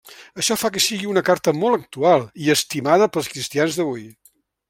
Això fa que sigui una carta molt actual i estimada pels cristians d'avui.